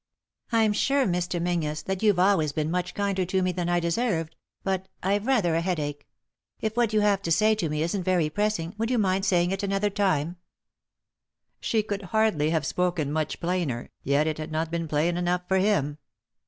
" I'm sure, Mr. Menzies, that you've always been much kinder to me than I deserved, but — I've rather a headache. If what you have to say to me isn't very pressing, would you mind saying it another time ? 3i 9 iii^d by Google THE INTERRUPTED KISS She could hardly have spoken much plainer, yet it had not been plain enough for him.